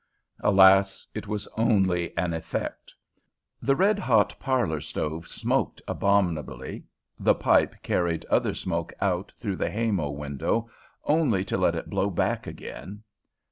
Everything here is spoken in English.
Alas, it was only an "effect"! The red hot parlor stove smoked abominably, the pipe carried other smoke out through the hawmow window, only to let it blow back again.